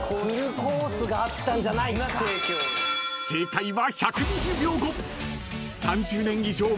［正解は］